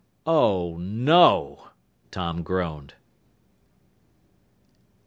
"Oh, no!" Tom groaned.